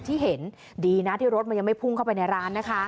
ที่เห็นดีนะที่รถมันยังไม่พุ่งเข้าไปในร้านนะคะ